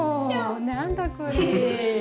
何だこれ。